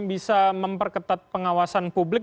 bisa memperketat pengawasan publik